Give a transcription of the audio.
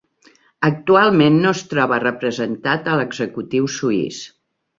Actualment no es troba representat a l'executiu suís.